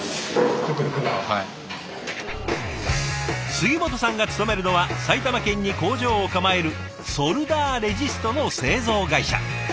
杉本さんが勤めるのは埼玉県に工場を構えるソルダーレジストの製造会社。